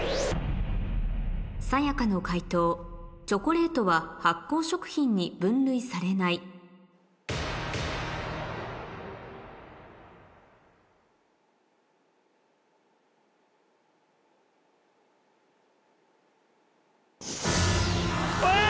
さや香の解答「チョコレート」は発酵食品に分類されないえ！